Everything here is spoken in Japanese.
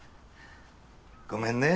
ごめんね。